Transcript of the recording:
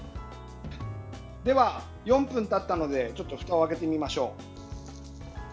では、４分たったのでふたを開けてみましょう。